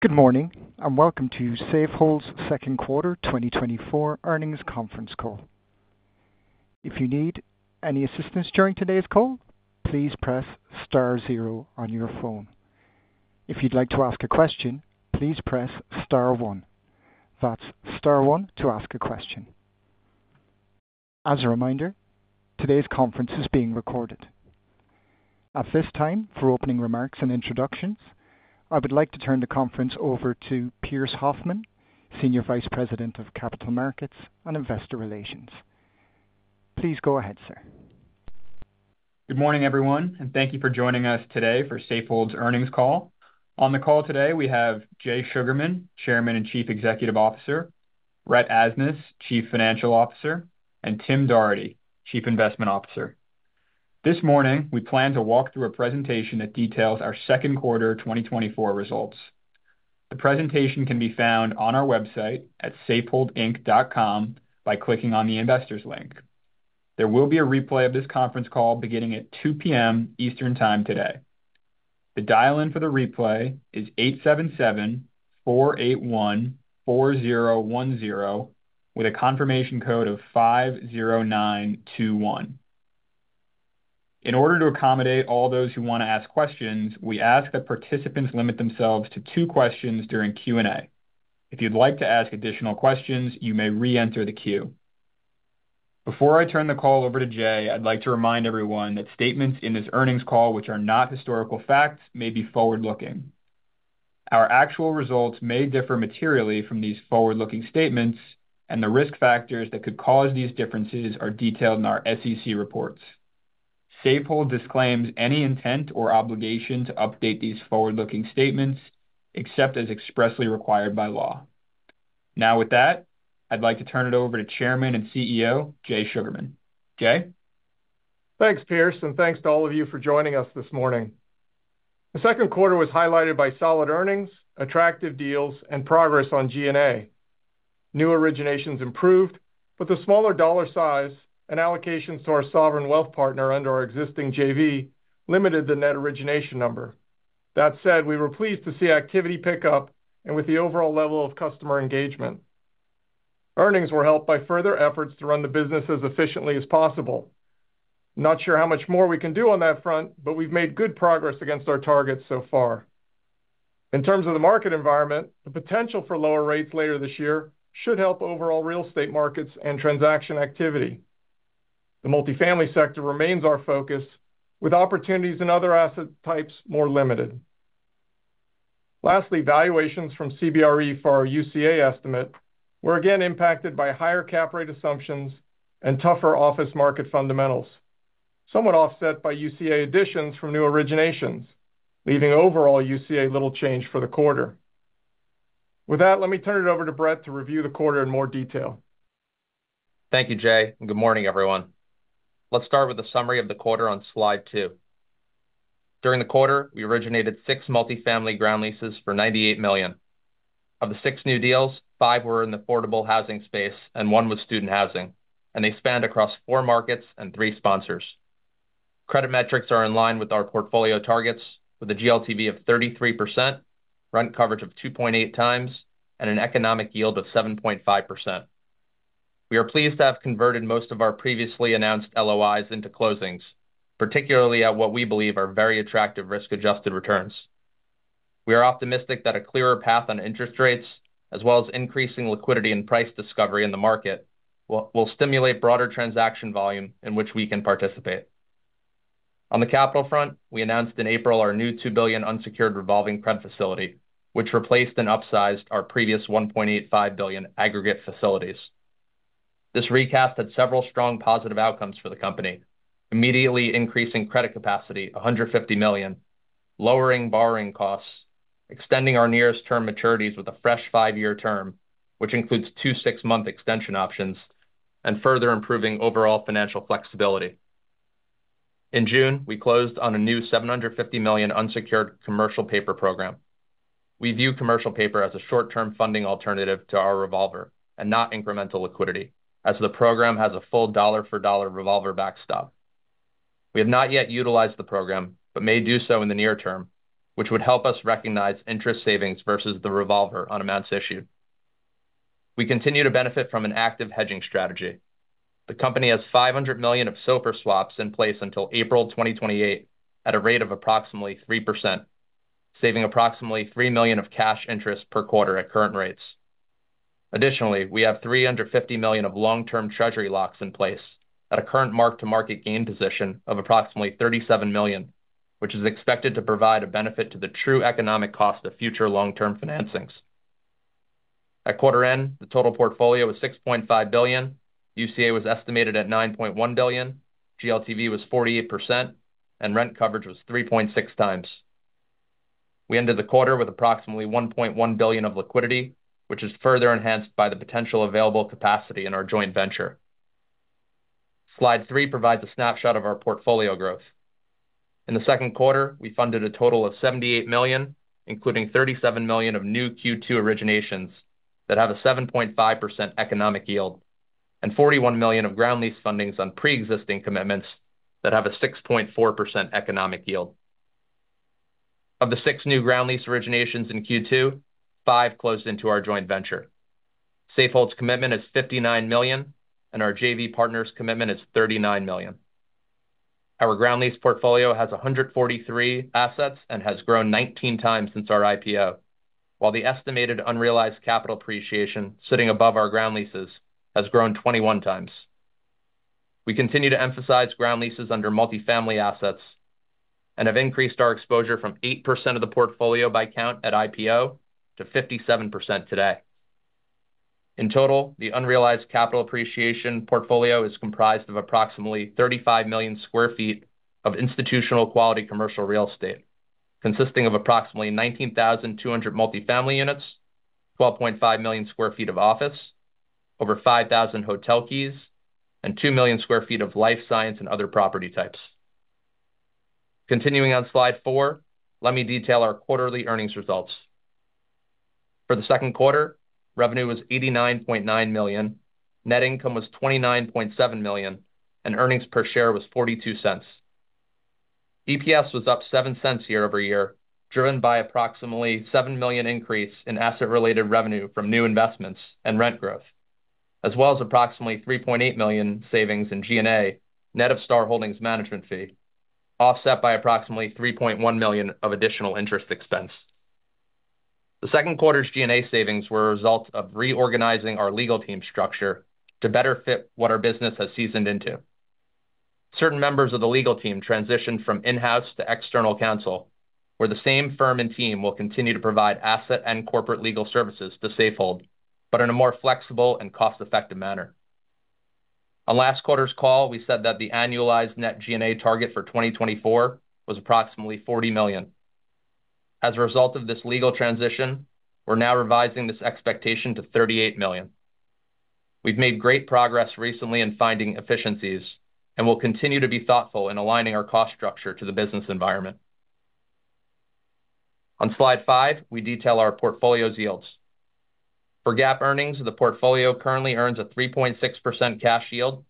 Good morning, and welcome to Safehold's Q2 2024 earnings conference call. If you need any assistance during today's call, please press star zero on your phone. If you'd like to ask a question, please press star one. That's star one to ask a question. As a reminder, today's conference is being recorded. At this time, for opening remarks and introductions, I would like to turn the conference over to Pearse Hoffmann, Senior Vice President of Capital Markets and Investor Relations. Please go ahead, sir. Good morning, everyone, and thank you for joining us today for Safehold's earnings call. On the call today, we have Jay Sugarman, Chairman and Chief Executive Officer, Brett Asnas, Chief Financial Officer, and Tim Doherty, Chief Investment Officer. This morning, we plan to walk through a presentation that details our Q2 2024 results. The presentation can be found on our website at safeholdinc.com by clicking on the Investors link. There will be a replay of this conference call beginning at 2:00 P.M. Eastern Time today. The dial-in for the replay is 877-481-4010, with a confirmation code of 50921. In order to accommodate all those who want to ask questions, we ask that participants limit themselves to two questions during Q&A. If you'd like to ask additional questions, you may re-enter the queue. Before I turn the call over to Jay, I'd like to remind everyone that statements in this earnings call, which are not historical facts, may be forward-looking. Our actual results may differ materially from these forward-looking statements, and the risk factors that could cause these differences are detailed in our SEC reports. Safehold disclaims any intent or obligation to update these forward-looking statements, except as expressly required by law. Now, with that, I'd like to turn it over to Chairman and CEO Jay Sugarman. Jay? Thanks, Pearse, and thanks to all of you for joining us this morning. The Q2 was highlighted by solid earnings, attractive deals, and progress on G&A. New originations improved, but the smaller dollar size and allocations to our sovereign wealth partner and our existing JV limited the net origination number. That said, we were pleased to see activity pick up and with the overall level of customer engagement. Earnings were helped by further efforts to run the business as efficiently as possible. I'm not sure how much more we can do on that front, but we've made good progress against our targets so far. In terms of the market environment, the potential for lower rates later this year should help overall real estate markets and transaction activity. The multifamily sector remains our focus, with opportunities in other asset types more limited. Lastly, valuations from CBRE for our UCA estimate were again impacted by higher cap rate assumptions and tougher office market fundamentals, somewhat offset by UCA additions from new originations, leaving overall UCA little change for the quarter. With that, let me turn it over to Brett to review the quarter in more detail. Thank you, Jay. Good morning, everyone. Let's start with a summary of the quarter on slide two. During the quarter, we originated six multifamily ground leases for $98 million. Of the six new deals, five were in the affordable housing space and one was student housing, and they spanned across four markets and three sponsors. Credit metrics are in line with our portfolio targets, with a GLTV of 33%, rent coverage of 2.8 times, and an economic yield of 7.5%. We are pleased to have converted most of our previously announced LOIs into closings, particularly at what we believe are very attractive risk-adjusted returns. We are optimistic that a clearer path on interest rates, as well as increasing liquidity and price discovery in the market, will stimulate broader transaction volume in which we can participate. On the capital front, we announced in April our new $2 billion unsecured revolving credit facility, which replaced and upsized our previous $1.85 billion aggregate facilities. This recast had several strong positive outcomes for the company, immediately increasing credit capacity to $150 million, lowering borrowing costs, extending our nearest term maturities with a fresh five-year term, which includes two six-month extension options, and further improving overall financial flexibility. In June, we closed on a new $750 million unsecured commercial paper program. We view commercial paper as a short-term funding alternative to our revolver and not incremental liquidity, as the program has a full dollar-for-dollar revolver backstop. We have not yet utilized the program but may do so in the near term, which would help us recognize interest savings versus the revolver on amounts issued. We continue to benefit from an active hedging strategy. The company has $500 million of SOFR swaps in place until April 2028 at a rate of approximately 3%, saving approximately $3 million of cash interest per quarter at current rates. Additionally, we have $350 million of long-term Treasury locks in place at a current mark-to-market gain position of approximately $37 million, which is expected to provide a benefit to the true economic cost of future long-term financings. At quarter end, the total portfolio was $6.5 billion, UCA was estimated at $9.1 billion, GLTV was 48%, and rent coverage was 3.6 times. We ended the quarter with approximately $1.1 billion of liquidity, which is further enhanced by the potential available capacity in our joint venture. Slide three provides a snapshot of our portfolio growth. In the Q2, we funded a total of $78 million, including $37 million of new Q2 originations that have a 7.5% economic yield, and $41 million of ground lease fundings on pre-existing commitments that have a 6.4% economic yield. Of the six new ground lease originations in Q2, five closed into our joint venture. Safehold's commitment is $59 million, and our JV partner's commitment is $39 million. Our ground lease portfolio has 143 assets and has grown 19 times since our IPO, while the estimated unrealized capital appreciation sitting above our ground leases has grown 21 times. We continue to emphasize ground leases under multifamily assets and have increased our exposure from 8% of the portfolio by count at IPO to 57% today. In total, the unrealized capital appreciation portfolio is comprised of approximately 35 million sq ft of institutional quality commercial real estate, consisting of approximately 19,200 multifamily units, 12.5 million sq ft of office, over 5,000 hotel keys, and 2 million sq ft of life science and other property types. Continuing on slide four, let me detail our quarterly earnings results. For the Q2, revenue was $89.9 million, net income was $29.7 million, and earnings per share was $0.42. EPS was up $0.07 year-over-year, driven by approximately $7 million increase in asset-related revenue from new investments and rent growth, as well as approximately $3.8 million savings in G&A, net of Star Holdings' management fee, offset by approximately $3.1 million of additional interest expense. The Q2's G&A savings were a result of reorganizing our legal team structure to better fit what our business has seasoned into. Certain members of the legal team transitioned from in-house to external counsel, where the same firm and team will continue to provide asset and corporate legal services to Safehold, but in a more flexible and cost-effective manner. On last quarter's call, we said that the annualized net G&A target for 2024 was approximately $40 million. As a result of this legal transition, we're now revising this expectation to $38 million. We've made great progress recently in finding efficiencies and will continue to be thoughtful in aligning our cost structure to the business environment. On slide 5, we detail our portfolio's yields. For GAAP earnings, the portfolio currently earns a 3.6% cash yield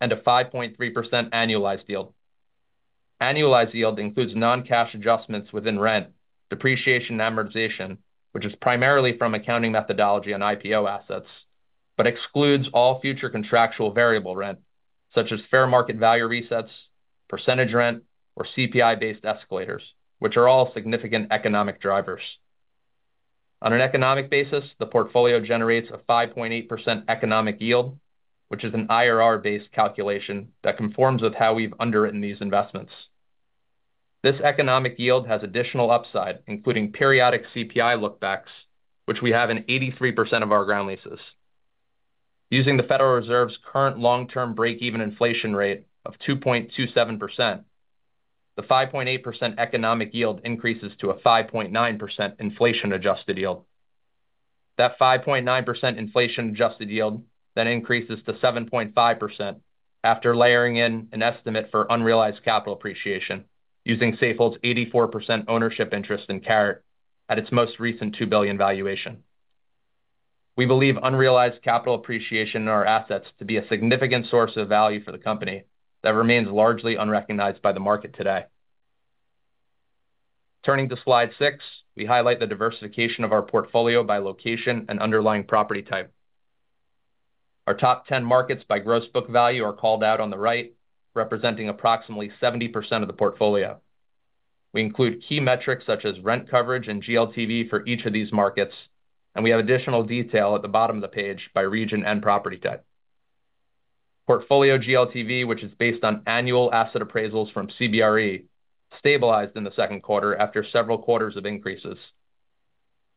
and a 5.3% annualized yield. Annualized yield includes non-cash adjustments within rent, depreciation, and amortization, which is primarily from accounting methodology on IPO assets, but excludes all future contractual variable rent, such as fair market value resets, percentage rent, or CPI-based escalators, which are all significant economic drivers. On an economic basis, the portfolio generates a 5.8% economic yield, which is an IRR-based calculation that conforms with how we've underwritten these investments. This economic yield has additional upside, including periodic CPI lookbacks, which we have in 83% of our ground leases. Using the Federal Reserve's current long-term break-even inflation rate of 2.27%, the 5.8% economic yield increases to a 5.9% inflation-adjusted yield. That 5.9% inflation-adjusted yield then increases to 7.5% after layering in an estimate for unrealized capital appreciation using Safehold's 84% ownership interest in Caret at its most recent $2 billion valuation. We believe unrealized capital appreciation in our assets to be a significant source of value for the company that remains largely unrecognized by the market today. Turning to slide 6, we highlight the diversification of our portfolio by location and underlying property type. Our top 10 markets by gross book value are called out on the right, representing approximately 70% of the portfolio. We include key metrics such as rent coverage and GLTV for each of these markets, and we have additional detail at the bottom of the page by region and property type. Portfolio GLTV, which is based on annual asset appraisals from CBRE, stabilized in the Q2 after several quarters of increases.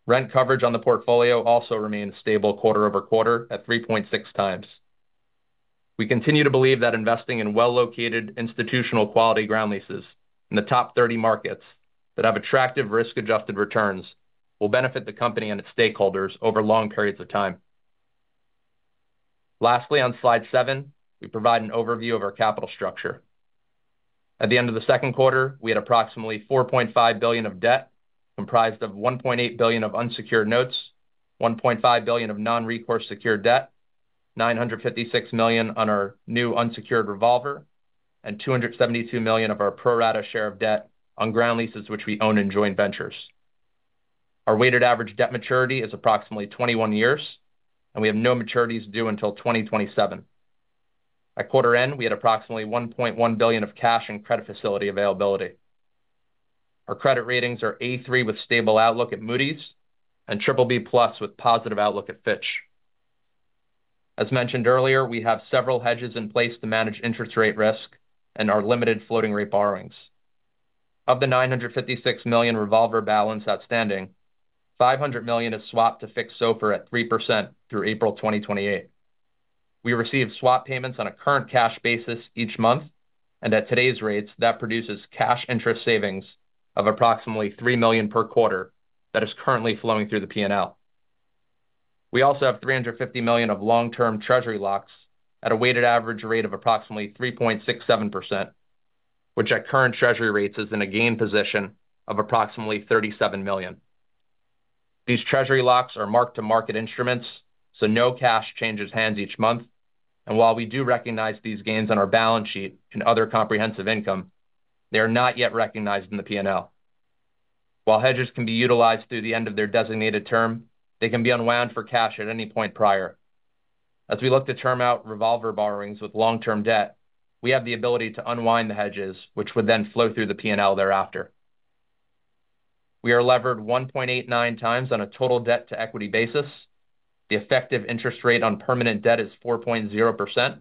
Rent coverage on the portfolio also remains stable quarter-over-quarter at 3.6 times. We continue to believe that investing in well-located institutional quality ground leases in the top 30 markets that have attractive risk-adjusted returns will benefit the company and its stakeholders over long periods of time. Lastly, on slide 7, we provide an overview of our capital structure. At the end of the Q2, we had approximately $4.5 billion of debt comprised of $1.8 billion of unsecured notes, $1.5 billion of non-recourse secured debt, $956 million on our new unsecured revolver, and $272 million of our pro-rata share of debt on ground leases, which we own in joint ventures. Our weighted average debt maturity is approximately 21 years, and we have no maturities due until 2027. At quarter end, we had approximately $1.1 billion of cash and credit facility availability. Our credit ratings are A3 with stable outlook at Moody's and BBB plus with positive outlook at Fitch. As mentioned earlier, we have several hedges in place to manage interest rate risk and our limited floating rate borrowings. Of the $956 million revolver balance outstanding, $500 million is swapped to fixed SOFR at 3% through April 2028. We receive swap payments on a current cash basis each month, and at today's rates, that produces cash interest savings of approximately $3 million per quarter that is currently flowing through the P&L. We also have $350 million of long-term treasury locks at a weighted average rate of approximately 3.67%, which at current treasury rates is in a gain position of approximately $37 million. These treasury locks are marked to market instruments, so no cash changes hands each month, and while we do recognize these gains on our balance sheet and other comprehensive income, they are not yet recognized in the P&L. While hedges can be utilized through the end of their designated term, they can be unwound for cash at any point prior. As we look to term out revolver borrowings with long-term debt, we have the ability to unwind the hedges, which would then flow through the P&L thereafter. We are levered 1.89x on a total debt to equity basis. The effective interest rate on permanent debt is 4.0%,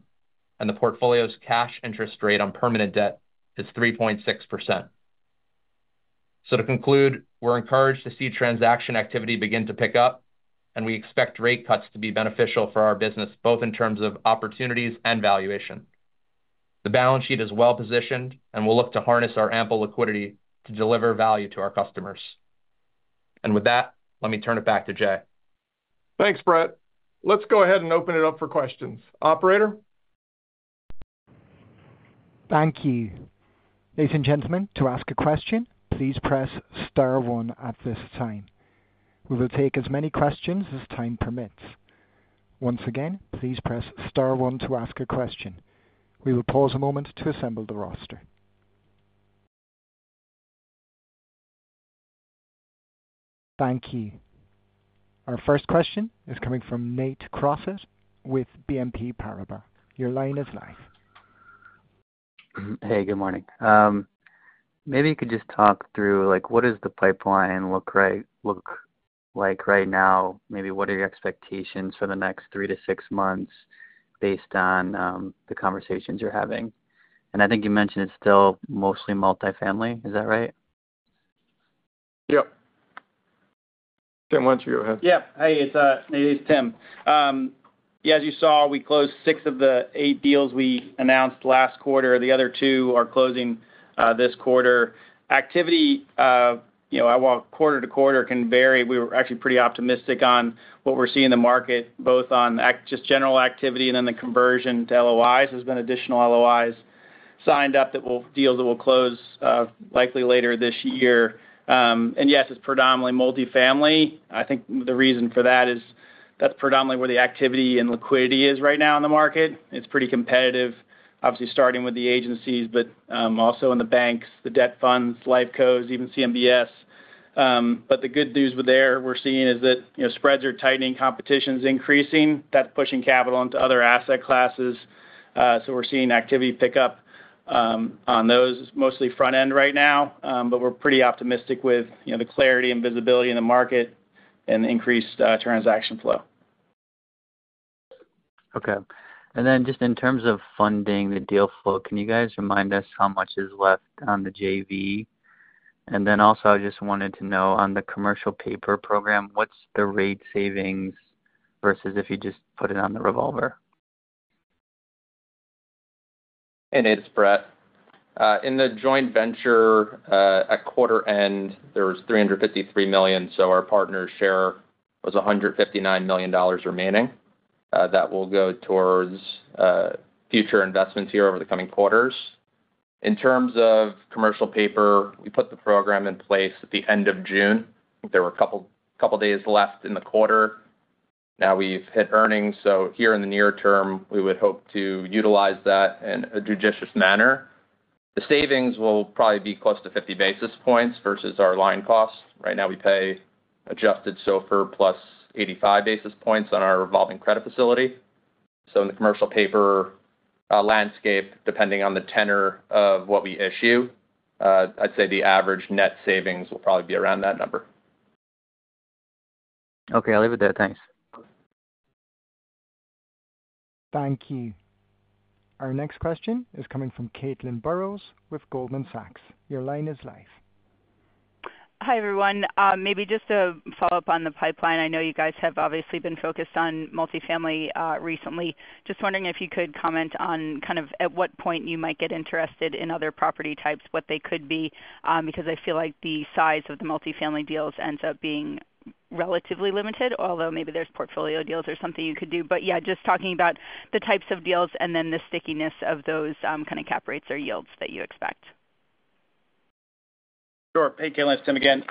and the portfolio's cash interest rate on permanent debt is 3.6%. To conclude, we're encouraged to see transaction activity begin to pick up, and we expect rate cuts to be beneficial for our business, both in terms of opportunities and valuation. The balance sheet is well positioned, and we'll look to harness our ample liquidity to deliver value to our customers. With that, let me turn it back to Jay. Thanks, Brett. Let's go ahead and open it up for questions. Operator. Thank you. Ladies and gentlemen, to ask a question, please press star one at this time. We will take as many questions as time permits. Once again, please press star one to ask a question. We will pause a moment to assemble the roster. Thank you. Our first question is coming from Nate Crossett with BNP Paribas. Your line is live. Hey, good morning. Maybe you could just talk through what does the pipeline look like right now? Maybe what are your expectations for the next 3-6 months based on the conversations you're having? And I think you mentioned it's still mostly multifamily. Is that right? Yeah. Tim, why don't you go ahead? Yeah. Hey, it's Nate. It's Tim. Yeah, as you saw, we closed six of the eight deals we announced last quarter. The other two are closing this quarter. Activity, I walk quarter to quarter, can vary. We were actually pretty optimistic on what we're seeing in the market, both on just general activity and then the conversion to LOIs. There's been additional LOIs signed up that will deals that will close likely later this year. And yes, it's predominantly multifamily. I think the reason for that is that's predominantly where the activity and liquidity is right now in the market. It's pretty competitive, obviously starting with the agencies, but also in the banks, the debt funds, life cos, even CMBS. But the good news there, we're seeing is that spreads are tightening, competition's increasing. That's pushing capital into other asset classes. So we're seeing activity pick up on those, mostly front end right now, but we're pretty optimistic with the clarity and visibility in the market and the increased transaction flow. Okay. And then just in terms of funding the deal flow, can you guys remind us how much is left on the JV? And then also, I just wanted to know on the commercial paper program, what's the rate savings versus if you just put it on the revolver? Hey, Nate, it's Brett. In the joint venture at quarter end, there was $353 million, so our partner's share was $159 million remaining that will go towards future investments here over the coming quarters. In terms of commercial paper, we put the program in place at the end of June. I think there were a couple of days left in the quarter. Now we've hit earnings, so here in the near term, we would hope to utilize that in a judicious manner. The savings will probably be close to 50 basis points versus our line costs. Right now, we pay adjusted SOFR plus 85 basis points on our revolving credit facility. So in the commercial paper landscape, depending on the tenor of what we issue, I'd say the average net savings will probably be around that number. Okay. I'll leave it there. Thanks. Thank you. Our next question is coming from Caitlin Burrows with Goldman Sachs. Your line is live. Hi everyone. Maybe just to follow up on the pipeline, I know you guys have obviously been focused on multifamily recently. Just wondering if you could comment on kind of at what point you might get interested in other property types, what they could be, because I feel like the size of the multifamily deals ends up being relatively limited, although maybe there's portfolio deals or something you could do. But yeah, just talking about the types of deals and then the stickiness of those kind of cap rates or yields that you expect. Sure. Hey, Caitlin, it's Tim again.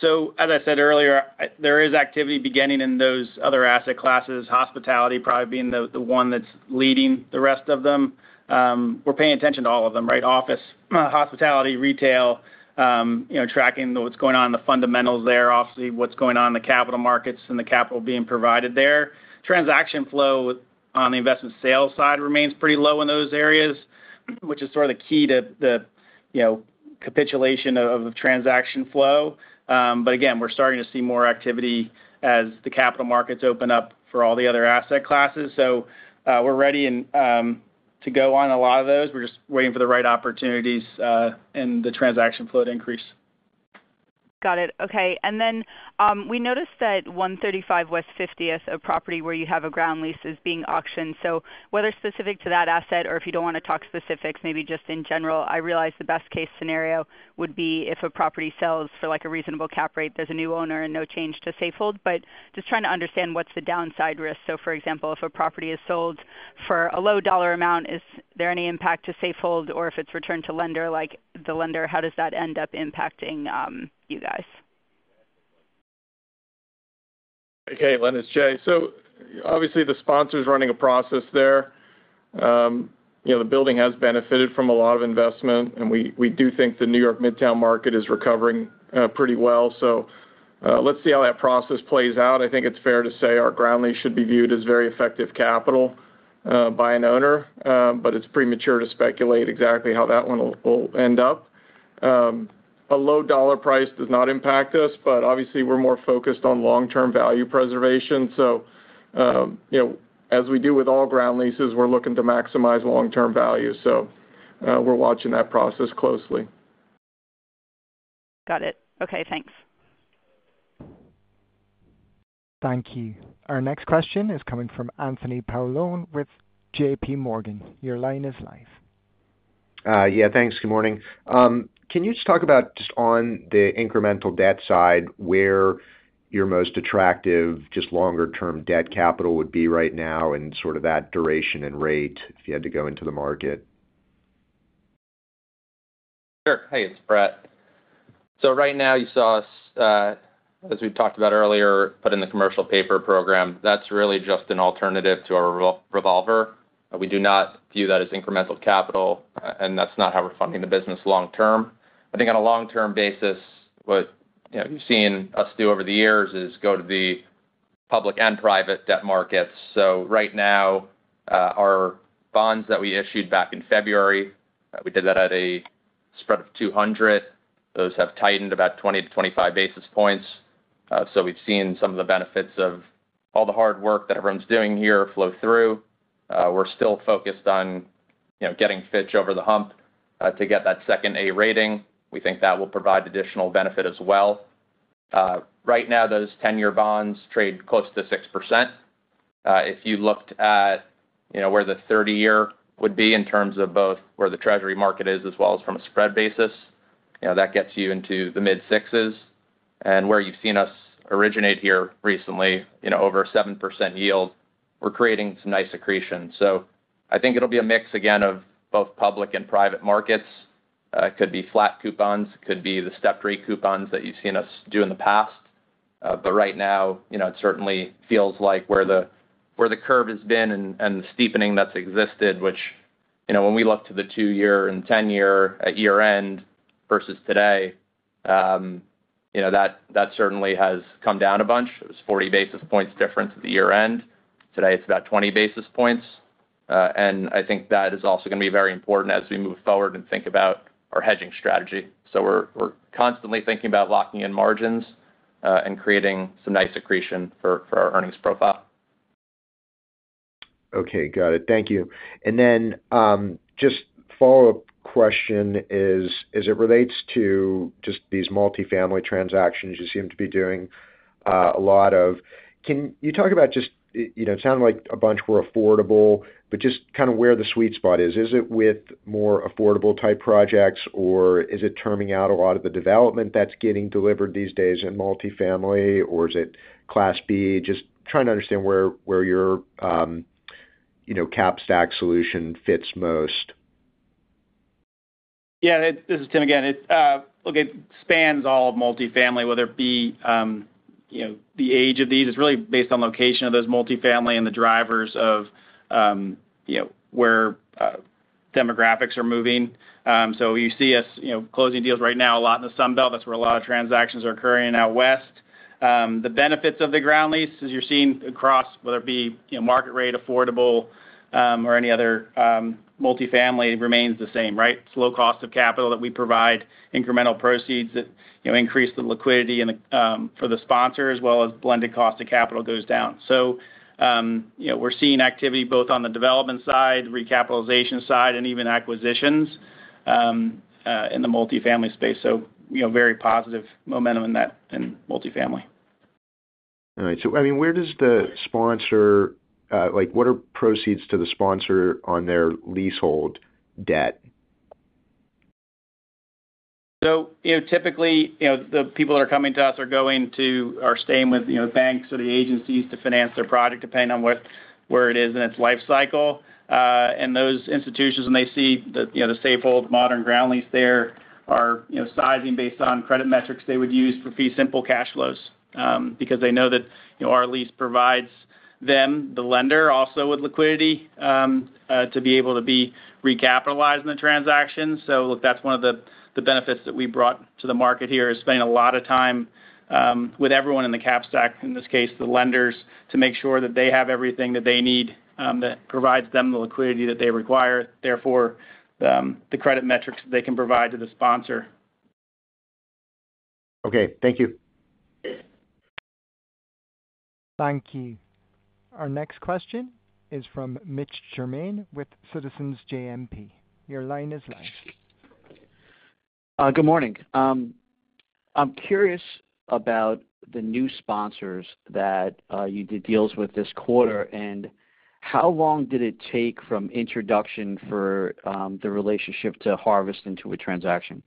So as I said earlier, there is activity beginning in those other asset classes, hospitality probably being the one that's leading the rest of them. We're paying attention to all of them, right? Office, hospitality, retail, tracking what's going on, the fundamentals there, obviously what's going on in the capital markets and the capital being provided there. Transaction flow on the investment sales side remains pretty low in those areas, which is sort of the key to the capitulation of transaction flow. But again, we're starting to see more activity as the capital markets open up for all the other asset classes. So we're ready to go on a lot of those. We're just waiting for the right opportunities and the transaction flow to increase. Got it. Okay. Then we noticed that 135 West 50th, a property where you have a ground lease, is being auctioned. So whether specific to that asset or if you don't want to talk specifics, maybe just in general, I realize the best case scenario would be if a property sells for a reasonable cap rate, there's a new owner and no change to Safehold, but just trying to understand what's the downside risk. So for example, if a property is sold for a low dollar amount, is there any impact to Safehold, or if it's returned to lender, like the lender, how does that end up impacting you guys? Let's turn to Jay. So obviously the sponsor's running a process there. The building has benefited from a lot of investment, and we do think the New York Midtown market is recovering pretty well. So let's see how that process plays out. I think it's fair to say our ground lease should be viewed as very effective capital by an owner, but it's premature to speculate exactly how that one will end up. A low dollar price does not impact us, but obviously we're more focused on long-term value preservation. So as we do with all ground leases, we're looking to maximize long-term value. So we're watching that process closely. Got it. Okay. Thanks. Thank you. Our next question is coming from Anthony Paolone with J.P. Morgan. Your line is live. Yeah. Thanks. Good morning. Can you just talk about just on the incremental debt side, where your most attractive just longer-term debt capital would be right now and sort of that duration and rate if you had to go into the market? Sure. Hey, it's Brett. So right now, you saw, as we talked about earlier, put in the commercial paper program, that's really just an alternative to our revolver. We do not view that as incremental capital, and that's not how we're funding the business long-term. I think on a long-term basis, what you've seen us do over the years is go to the public and private debt markets. So right now, our bonds that we issued back in February, we did that at a spread of 200. Those have tightened about 20-25 basis points. So we've seen some of the benefits of all the hard work that everyone's doing here flow through. We're still focused on getting Fitch over the hump to get that second A rating. We think that will provide additional benefit as well. Right now, those 10-year bonds trade close to 6%. If you looked at where the 30-year would be in terms of both where the treasury market is as well as from a spread basis, that gets you into the mid-sixes. And where you've seen us originate here recently, over 7% yield, we're creating some nice accretion. So I think it'll be a mix, again, of both public and private markets. It could be flat coupons. It could be the step-three coupons that you've seen us do in the past. But right now, it certainly feels like where the curve has been and the steepening that's existed, which when we look to the 2-year and 10-year year-end versus today, that certainly has come down a bunch. It was 40 basis points different at the year-end. Today, it's about 20 basis points. I think that is also going to be very important as we move forward and think about our hedging strategy. We're constantly thinking about locking in margins and creating some nice accretion for our earnings profile. Okay. Got it. Thank you. And then just follow-up question is, as it relates to just these multifamily transactions you seem to be doing a lot of, can you talk about just it sounded like a bunch were affordable, but just kind of where the sweet spot is. Is it with more affordable type projects, or is it terming out a lot of the development that's getting delivered these days in multifamily, or is it class B? Just trying to understand where your cap stack solution fits most. Yeah. This is Tim again. Look, it spans all multifamily, whether it be the age of these. It's really based on location of those multifamily and the drivers of where demographics are moving. So you see us closing deals right now a lot in the Sunbelt. That's where a lot of transactions are occurring in out west. The benefits of the ground lease, as you're seeing across, whether it be market rate, affordable, or any other multifamily, remains the same, right? It's low cost of capital that we provide, incremental proceeds that increase the liquidity for the sponsor, as well as blended cost of capital goes down. So we're seeing activity both on the development side, recapitalization side, and even acquisitions in the multifamily space. So very positive momentum in multifamily. All right. So I mean, where does the sponsor, what are proceeds to the sponsor on their leasehold debt? Typically, the people that are coming to us are going to or staying with banks or the agencies to finance their project, depending on where it is in its life cycle. Those institutions, when they see the Safehold Modern Ground Lease there, are sizing based on credit metrics they would use for fee simple cash flows because they know that our lease provides them, the lender, also with liquidity to be able to be recapitalized in the transaction. Look, that's one of the benefits that we brought to the market here, is spending a lot of time with everyone in the cap stack, in this case, the lenders, to make sure that they have everything that they need that provides them the liquidity that they require, therefore the credit metrics that they can provide to the sponsor. Okay. Thank you. Thank you. Our next question is from Mitch Germain with Citizens JMP. Your line is live. Good morning. I'm curious about the new sponsors that you did deals with this quarter, and how long did it take from introduction for the relationship to harvest into a transaction?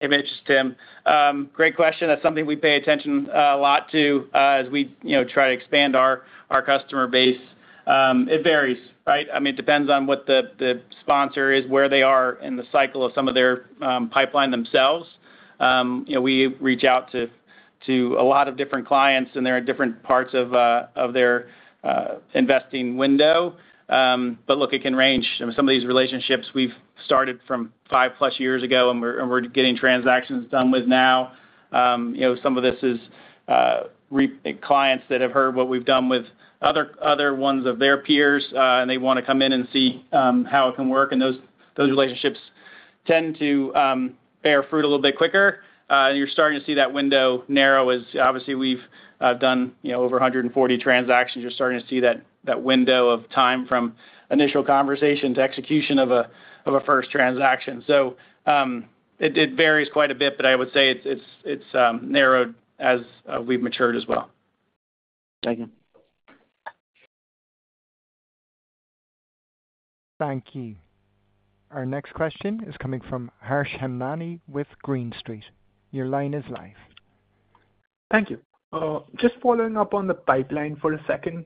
Hey, Mitch. It's Tim. Great question. That's something we pay attention a lot to as we try to expand our customer base. It varies, right? I mean, it depends on what the sponsor is, where they are in the cycle of some of their pipeline themselves. We reach out to a lot of different clients, and they're in different parts of their investing window. But look, it can range. Some of these relationships we've started from 5+ years ago, and we're getting transactions done with now. Some of this is clients that have heard what we've done with other ones of their peers, and they want to come in and see how it can work. And those relationships tend to bear fruit a little bit quicker. And you're starting to see that window narrow as obviously we've done over 140 transactions. You're starting to see that window of time from initial conversation to execution of a first transaction. So it varies quite a bit, but I would say it's narrowed as we've matured as well. Thank you. Thank you. Our next question is coming from Harsh Hemnani with Green Street. Your line is live. Thank you. Just following up on the pipeline for a second.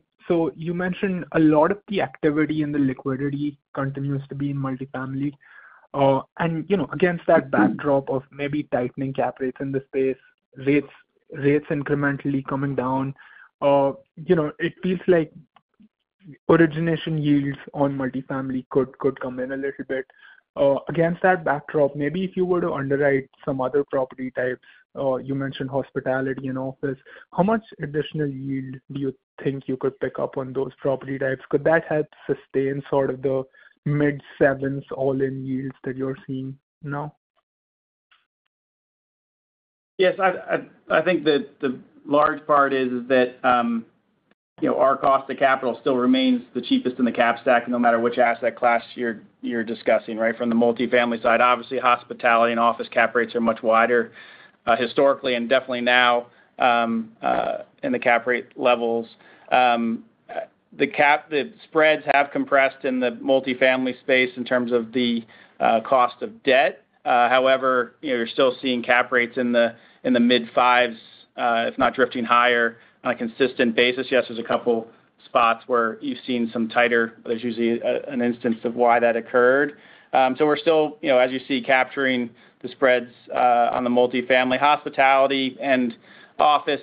You mentioned a lot of the activity and the liquidity continues to be in multifamily. Against that backdrop of maybe tightening cap rates in the space, rates incrementally coming down, it feels like origination yields on multifamily could come in a little bit. Against that backdrop, maybe if you were to underwrite some other property types, you mentioned hospitality and office, how much additional yield do you think you could pick up on those property types? Could that help sustain sort of the mid-sevens all-in yields that you're seeing now? Yes. I think the large part is that our cost of capital still remains the cheapest in the cap stack, no matter which asset class you're discussing, right, from the multifamily side. Obviously, hospitality and office cap rates are much wider historically and definitely now in the cap rate levels. The spreads have compressed in the multifamily space in terms of the cost of debt. However, you're still seeing cap rates in the mid-fives, if not drifting higher on a consistent basis. Yes, there's a couple spots where you've seen some tighter. There's usually an instance of why that occurred. So we're still, as you see, capturing the spreads on the multifamily, hospitality, and office.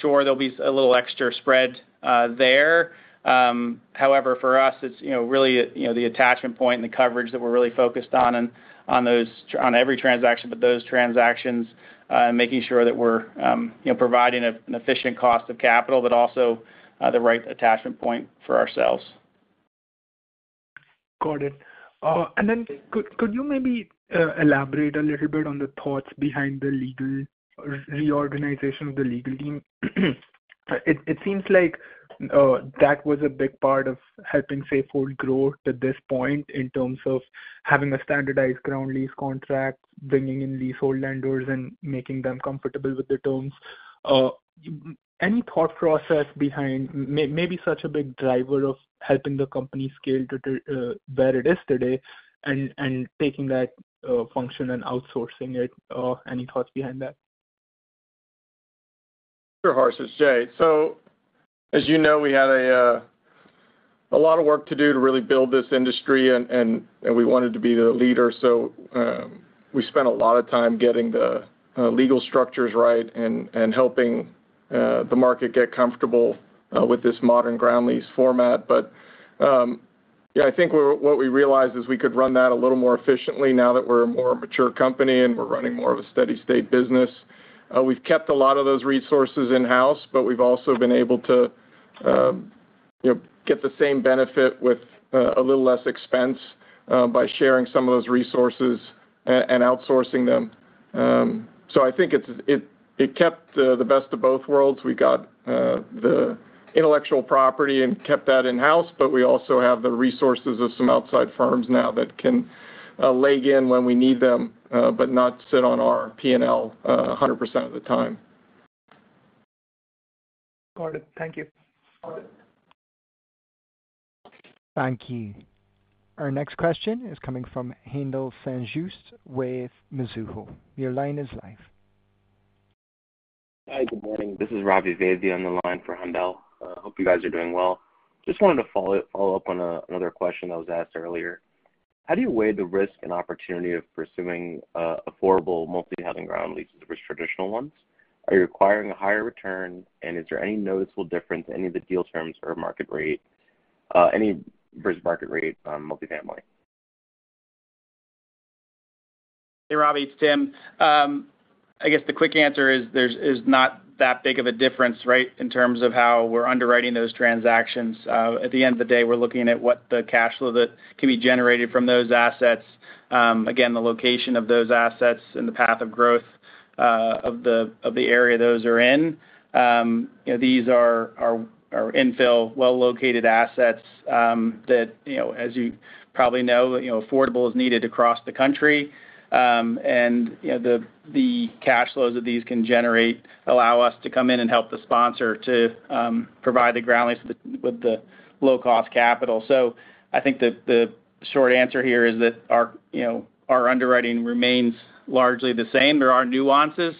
Sure, there'll be a little extra spread there. However, for us, it's really the attachment point and the coverage that we're really focused on in every transaction, but those transactions, and making sure that we're providing an efficient cost of capital, but also the right attachment point for ourselves. Got it. And then could you maybe elaborate a little bit on the thoughts behind the reorganization of the legal team? It seems like that was a big part of helping Safehold grow to this point in terms of having a standardized ground lease contract, bringing in leasehold lenders, and making them comfortable with the terms. Any thought process behind maybe such a big driver of helping the company scale to where it is today and taking that function and outsourcing it? Any thoughts behind that? Sure. Harsh is Jay. So as you know, we had a lot of work to do to really build this industry, and we wanted to be the leader. So we spent a lot of time getting the legal structures right and helping the market get comfortable with this modern ground lease format. But yeah, I think what we realized is we could run that a little more efficiently now that we're a more mature company and we're running more of a steady-state business. We've kept a lot of those resources in-house, but we've also been able to get the same benefit with a little less expense by sharing some of those resources and outsourcing them. So I think it kept the best of both worlds. We got the intellectual property and kept that in-house, but we also have the resources of some outside firms now that can leg in when we need them, but not sit on our P&L 100% of the time. Got it. Thank you. Got it. Thank you. Our next question is coming from Haendel St. Juste with Mizuho. Your line is live. Hi. Good morning. This is Ravi Vaidya on the line for Haendel. I hope you guys are doing well. Just wanted to follow up on another question that was asked earlier. How do you weigh the risk and opportunity of pursuing affordable multifamily ground leases versus traditional ones? Are you requiring a higher return, and is there any noticeable difference in any of the deal terms or market rate versus market rate multifamily? Hey, Ravi. It's Tim. I guess the quick answer is there's not that big of a difference, right, in terms of how we're underwriting those transactions. At the end of the day, we're looking at what the cash flow that can be generated from those assets, again, the location of those assets, and the path of growth of the area those are in. These are infill, well-located assets that, as you probably know, affordable is needed across the country. And the cash flows that these can generate allow us to come in and help the sponsor to provide the ground lease with the low-cost capital. So I think the short answer here is that our underwriting remains largely the same. There are nuances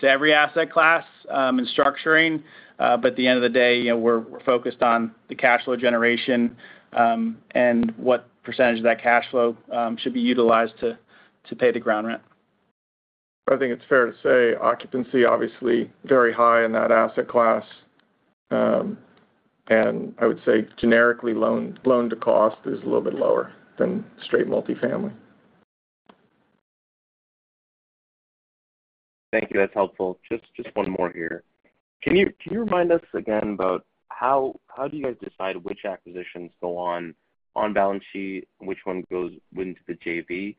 to every asset class and structuring. At the end of the day, we're focused on the cash flow generation and what percentage of that cash flow should be utilized to pay the ground rent. I think it's fair to say occupancy, obviously, very high in that asset class. I would say generically, Loan-to-Cost is a little bit lower than straight multifamily. Thank you. That's helpful. Just one more here. Can you remind us again about how do you guys decide which acquisitions go on balance sheet and which one goes into the JV?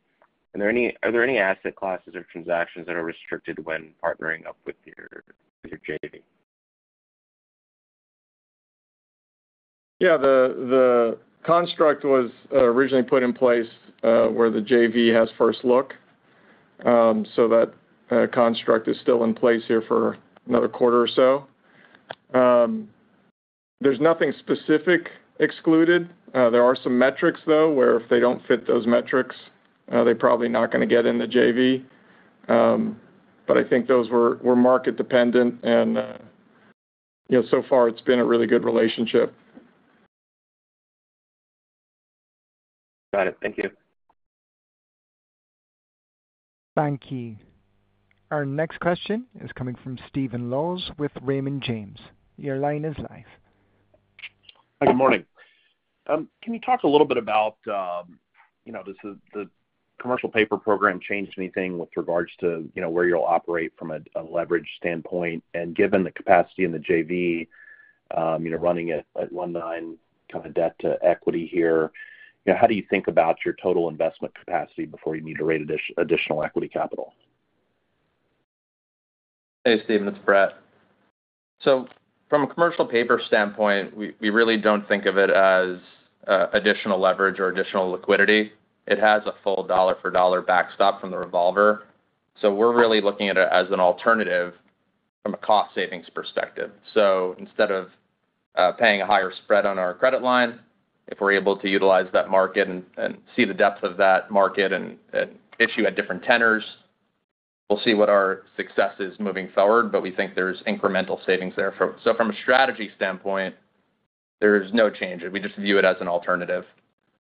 Are there any asset classes or transactions that are restricted when partnering up with your JV? Yeah. The construct was originally put in place where the JV has first look. So that construct is still in place here for another quarter or so. There's nothing specific excluded. There are some metrics, though, where if they don't fit those metrics, they're probably not going to get in the JV. But I think those were market-dependent, and so far, it's been a really good relationship. Got it. Thank you. Thank you. Our next question is coming from Stephen Laws with Raymond James. Your line is live. Hi. Good morning. Can you talk a little bit about does the commercial paper program change anything with regards to where you'll operate from a leverage standpoint? And given the capacity in the JV, running at 19 kind of debt to equity here, how do you think about your total investment capacity before you need to raise additional equity capital? Hey, Stephen. It's Brett. So from a commercial paper standpoint, we really don't think of it as additional leverage or additional liquidity. It has a full dollar-for-dollar backstop from the revolver. So we're really looking at it as an alternative from a cost-savings perspective. So instead of paying a higher spread on our credit line, if we're able to utilize that market and see the depth of that market and issue at different tenors, we'll see what our success is moving forward. But we think there's incremental savings there. So from a strategy standpoint, there's no change. We just view it as an alternative.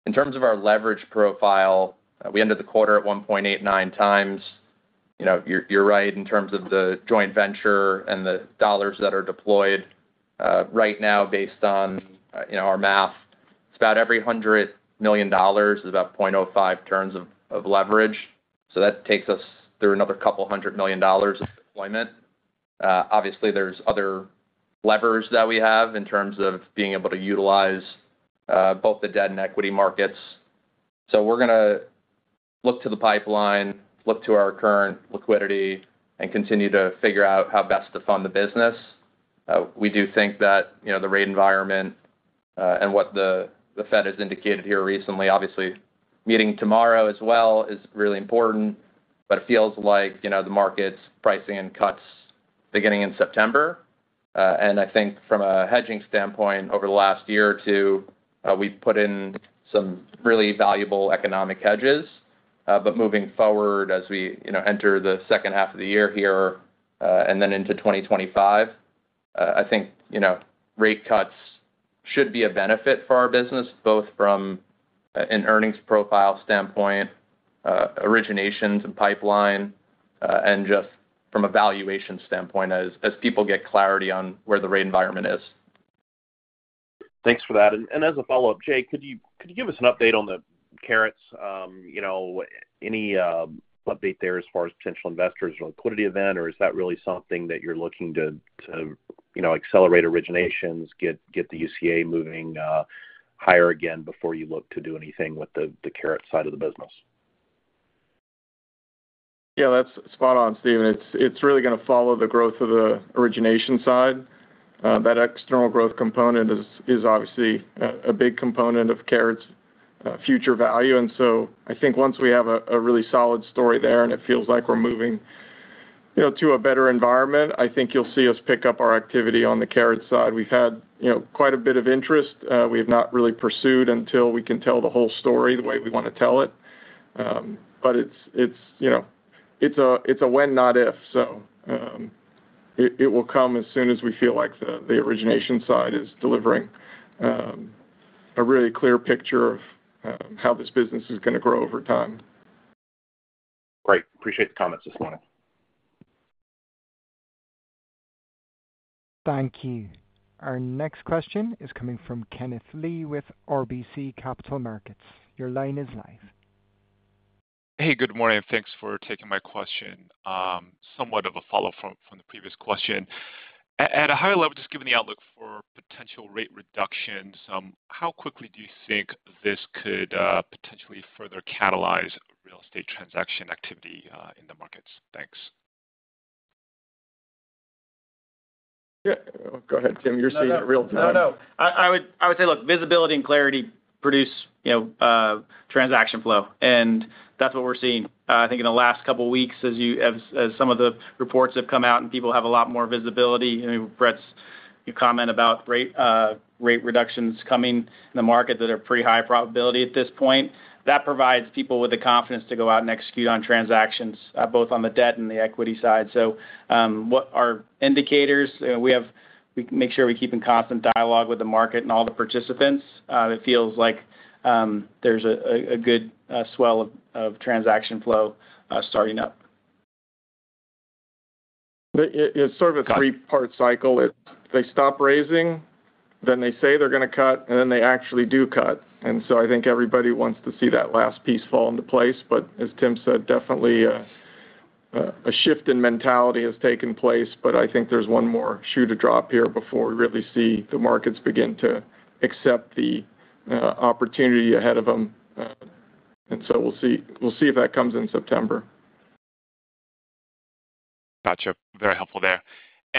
In terms of our leverage profile, we ended the quarter at 1.89 times. You're right in terms of the joint venture and the dollars that are deployed. Right now, based on our math, it's about every $100 million is about 0.05 turns of leverage. So that takes us through another $200 million of deployment. Obviously, there's other levers that we have in terms of being able to utilize both the debt and equity markets. So we're going to look to the pipeline, look to our current liquidity, and continue to figure out how best to fund the business. We do think that the rate environment and what the Fed has indicated here recently, obviously, meeting tomorrow as well is really important. But it feels like the market's pricing and cuts beginning in September. And I think from a hedging standpoint, over the last year or two, we've put in some really valuable economic hedges. Moving forward as we enter the second half of the year here and then into 2025, I think rate cuts should be a benefit for our business, both from an earnings profile standpoint, originations and pipeline, and just from a valuation standpoint as people get clarity on where the rate environment is. Thanks for that. And as a follow-up, Jay, could you give us an update on the Caret? Any update there as far as potential investors or liquidity event, or is that really something that you're looking to accelerate originations, get the UCA moving higher again before you look to do anything with the Caret side of the business? Yeah. That's spot on, Stephen. It's really going to follow the growth of the origination side. That external growth component is obviously a big component of Caret's future value. And so I think once we have a really solid story there and it feels like we're moving to a better environment, I think you'll see us pick up our activity on the Caret side. We've had quite a bit of interest. We have not really pursued until we can tell the whole story the way we want to tell it. But it's a when not if. So it will come as soon as we feel like the origination side is delivering a really clear picture of how this business is going to grow over time. Great. Appreciate the comments this morning. Thank you. Our next question is coming from Kenneth Lee with RBC Capital Markets. Your line is live. Hey, good morning. Thanks for taking my question. Somewhat of a follow-up from the previous question. At a higher level, just given the outlook for potential rate reductions, how quickly do you think this could potentially further catalyze real estate transaction activity in the markets? Thanks. Yeah. Go ahead, Tim. You're seeing it real time. No, no. I would say, look, visibility and clarity produce transaction flow. That's what we're seeing. I think in the last couple of weeks, as some of the reports have come out and people have a lot more visibility, I mean, Brett's comment about rate reductions coming in the market that are pretty high probability at this point, that provides people with the confidence to go out and execute on transactions, both on the debt and the equity side. Our indicators, we make sure we keep in constant dialogue with the market and all the participants. It feels like there's a good swell of transaction flow starting up. It's sort of a three-part cycle. They stop raising, then they say they're going to cut, and then they actually do cut. And so I think everybody wants to see that last piece fall into place. But as Tim said, definitely a shift in mentality has taken place. But I think there's one more shoe to drop here before we really see the markets begin to accept the opportunity ahead of them. And so we'll see if that comes in September. Gotcha. Very helpful there.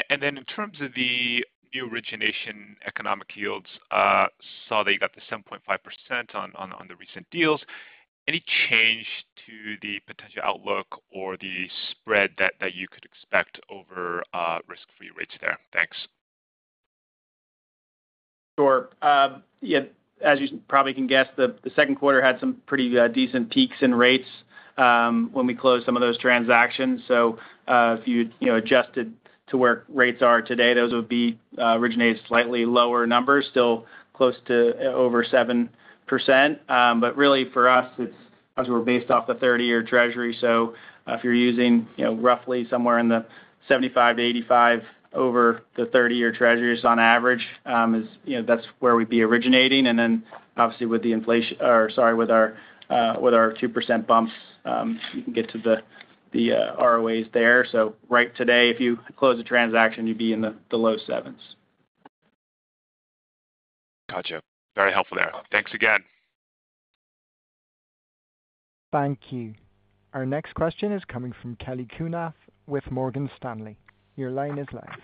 Then in terms of the new origination economic yields, saw that you got the 7.5% on the recent deals. Any change to the potential outlook or the spread that you could expect over risk-free rates there? Thanks. Sure. As you probably can guess, the Q2 had some pretty decent peaks in rates when we closed some of those transactions. So if you adjusted to where rates are today, those would be originated slightly lower numbers, still close to over 7%. But really, for us, as we're based off the 30-year Treasury, so if you're using roughly somewhere in the 75-85 over the 30-year Treasuries on average, that's where we'd be originating. And then, obviously, with the inflation or sorry, with our 2% bumps, you can get to the ROAs there. So right today, if you close a transaction, you'd be in the low 7s. Gotcha. Very helpful there. Thanks again. Thank you. Our next question is coming from Kelly Kunath with Morgan Stanley. Your line is live.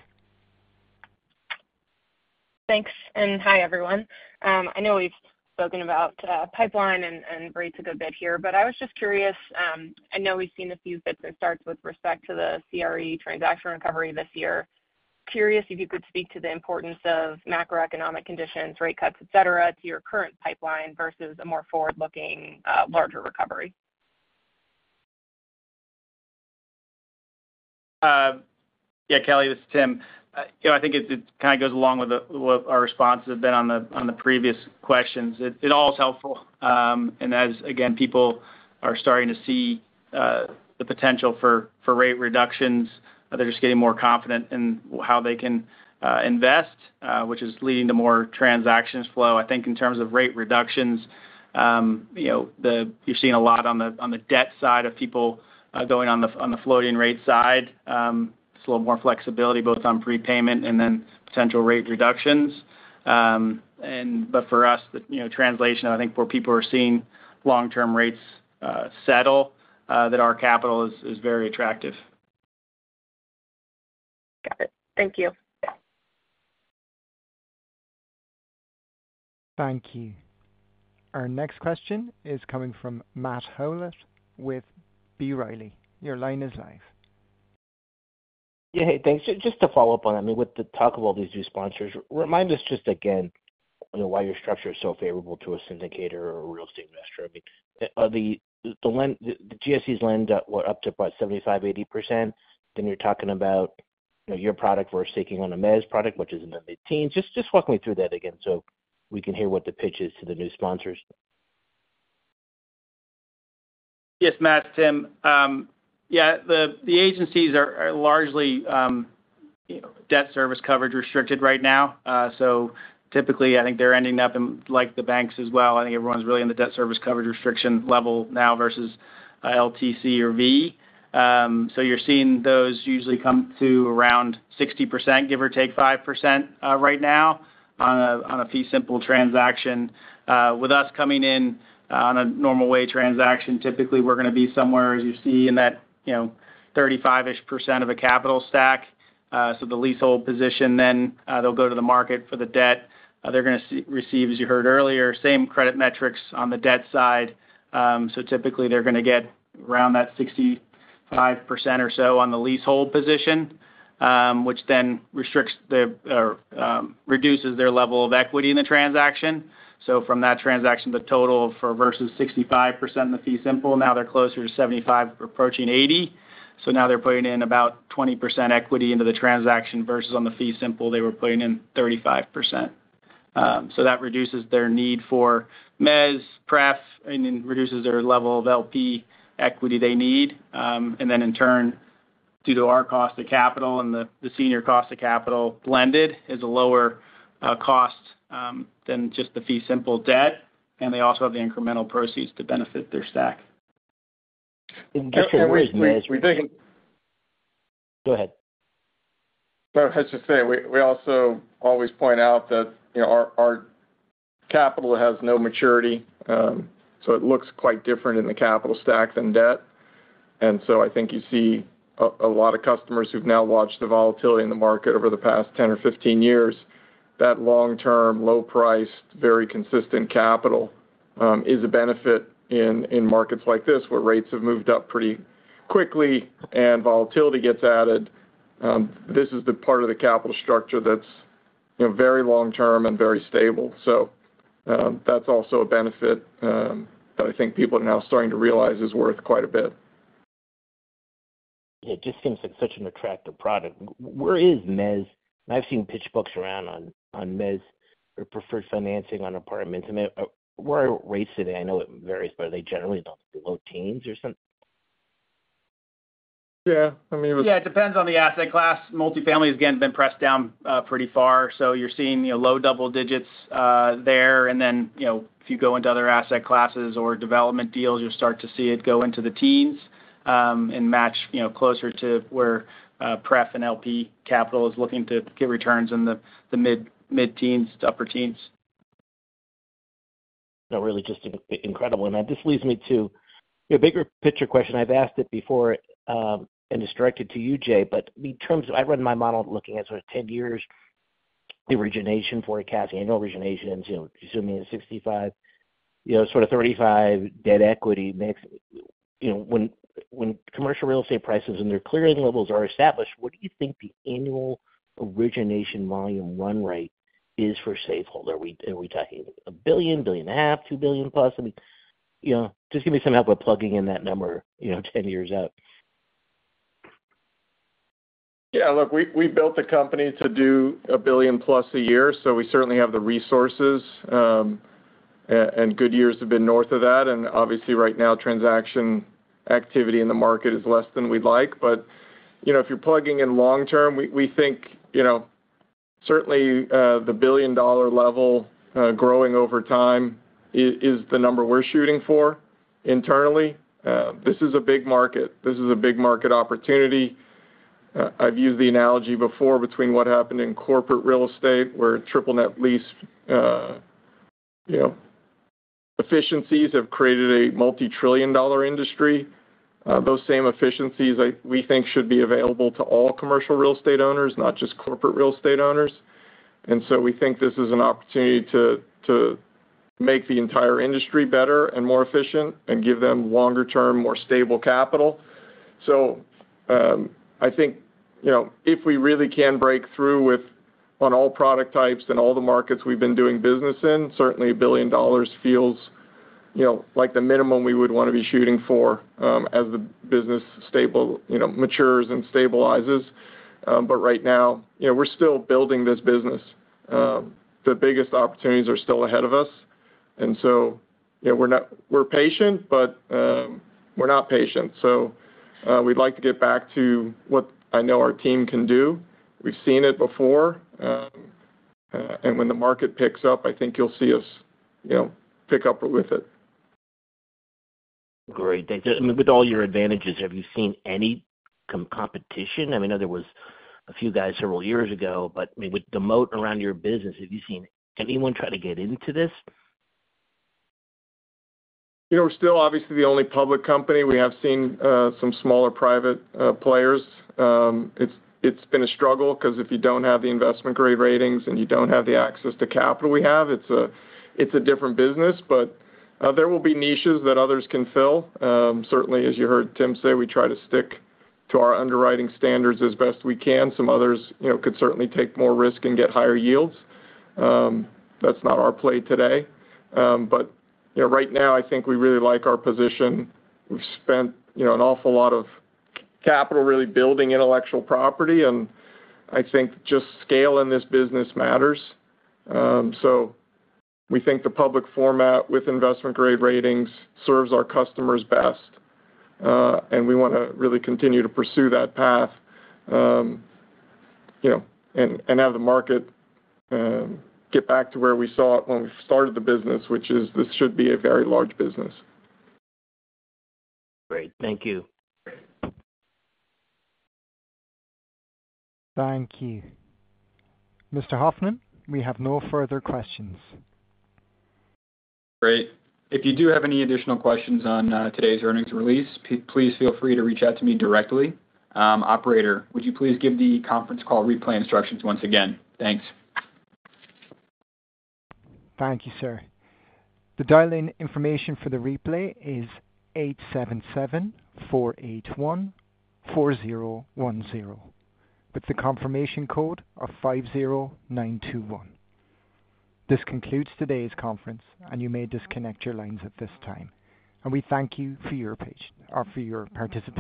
Thanks. Hi, everyone. I know we've spoken about pipeline and rates a good bit here, but I was just curious. I know we've seen a few fits and starts with respect to the CRE transaction recovery this year. Curious if you could speak to the importance of macroeconomic conditions, rate cuts, etc., to your current pipeline versus a more forward-looking larger recovery? Yeah, Kelley, this is Tim. I think it kind of goes along with what our responses have been on the previous questions. It's always helpful. As, again, people are starting to see the potential for rate reductions, they're just getting more confident in how they can invest, which is leading to more transactions flow. I think in terms of rate reductions, you're seeing a lot on the debt side of people going on the floating rate side. It's a little more flexibility, both on prepayment and then potential rate reductions. But for us, the translation, I think, where people are seeing long-term rates settle, that our capital is very attractive. Got it. Thank you. Thank you. Our next question is coming from Matt Howlett with B. Riley. Your line is live. Yeah. Hey, thanks. Just to follow up on, I mean, with the talk of all these new sponsors, remind us just again why your structure is so favorable to a syndicator or a real estate investor. I mean, the GSEs lend up to about 75%-80%. Then you're talking about your product versus taking on a mezz product, which is in the mid-teens. Just walk me through that again so we can hear what the pitch is to the new sponsors. Yes, Matt, Tim. Yeah. The agencies are largely debt service coverage restricted right now. So typically, I think they're ending up in the banks as well. I think everyone's really in the debt service coverage restriction level now versus LTC or V. So you're seeing those usually come to around 60%, give or take 5% right now on a fee simple transaction. With us coming in on a normal way transaction, typically, we're going to be somewhere, as you see, in that 35-ish% of a capital stack. So the leasehold position, then they'll go to the market for the debt. They're going to receive, as you heard earlier, same credit metrics on the debt side. So typically, they're going to get around that 65% or so on the leasehold position, which then reduces their level of equity in the transaction. From that transaction, the total versus 65% in the fee simple. Now they're closer to 75% approaching 80%. Now they're putting in about 20% equity into the transaction versus on the fee simple. They were putting in 35%. So that reduces their need for MEZ, PREF, and reduces their level of LP equity they need. Then, in turn, due to our cost of capital and the senior cost of capital blended, it's a lower cost than just the fee simple debt. They also have the incremental proceeds to benefit their stack. Just to reiterate. Go ahead. I was just going to say, we also always point out that our capital has no maturity. So it looks quite different in the capital stack than debt. And so I think you see a lot of customers who've now watched the volatility in the market over the past 10 or 15 years. That long-term, low-priced, very consistent capital is a benefit in markets like this where rates have moved up pretty quickly and volatility gets added. This is the part of the capital structure that's very long-term and very stable. So that's also a benefit that I think people are now starting to realize is worth quite a bit. Yeah. Just seems like such an attractive product. Where is MEZ? And I've seen pitch books around on MEZ or preferred financing on apartments. I mean, where are rates today? I know it varies, but are they generally below teens or something? Yeah. I mean. Yeah. It depends on the asset class. Multifamily has again been pressed down pretty far. So you're seeing low double digits there. And then if you go into other asset classes or development deals, you'll start to see it go into the teens and match closer to where PREF and LP capital is looking to get returns in the mid-teens, upper teens. No, really, just incredible. And that just leads me to a bigger picture question. I've asked it before and just directed to you, Jay, but in terms of I run my model looking at sort of 10 years origination forecast, annual originations, assuming it's 65, sort of 35 debt equity mix. When commercial real estate prices and their clearing levels are established, what do you think the annual origination volume run rate is for Safehold? Are we talking $1 billion, $1.5 billion, $2 billion+? I mean, just give me some help with plugging in that number 10 years out. Yeah. Look, we built the company to do $1 billion+ a year. So we certainly have the resources, and good years have been north of that. Obviously, right now, transaction activity in the market is less than we'd like. But if you're plugging in long-term, we think certainly the $1 billion level growing over time is the number we're shooting for internally. This is a big market. This is a big market opportunity. I've used the analogy before between what happened in corporate real estate, where triple-net lease efficiencies have created a multi-trillion-dollar industry. Those same efficiencies, we think, should be available to all commercial real estate owners, not just corporate real estate owners. So we think this is an opportunity to make the entire industry better and more efficient and give them longer-term, more stable capital. So I think if we really can break through on all product types and all the markets we've been doing business in, certainly $1 billion feels like the minimum we would want to be shooting for as the business matures and stabilizes. But right now, we're still building this business. The biggest opportunities are still ahead of us. And so we're patient, but we're not patient. So we'd like to get back to what I know our team can do. We've seen it before. And when the market picks up, I think you'll see us pick up with it. Great. And with all your advantages, have you seen any competition? I mean, I know there was a few guys several years ago, but with the moat around your business, have you seen anyone try to get into this? We're still obviously the only public company. We have seen some smaller private players. It's been a struggle because if you don't have the investment-grade ratings and you don't have the access to capital we have, it's a different business. But there will be niches that others can fill. Certainly, as you heard Tim say, we try to stick to our underwriting standards as best we can. Some others could certainly take more risk and get higher yields. That's not our play today. But right now, I think we really like our position. We've spent an awful lot of capital really building intellectual property. And I think just scale in this business matters. So we think the public format with investment-grade ratings serves our customers best. We want to really continue to pursue that path and have the market get back to where we saw it when we started the business, which is this should be a very large business. Great. Thank you. Thank you. Mr. Hoffmann, we have no further questions. Great. If you do have any additional questions on today's earnings release, please feel free to reach out to me directly. Operator, would you please give the conference call replay instructions once again? Thanks. Thank you, sir. The dial-in information for the replay is 877-481-4010 with the confirmation code of 50921. This concludes today's conference, and you may disconnect your lines at this time. We thank you for your participation.